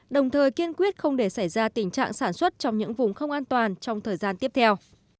đồng thời kiên quyết không để xảy ra tình trạng sản xuất trong những vùng không an toàn trong thời gian tiếp theo